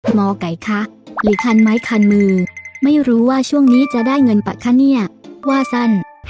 หมอไก่คะหรือคันไม้คันมือไม่รู้ว่าช่วงนี้จะได้เงินป่ะคะเนี่ยว่าสั้น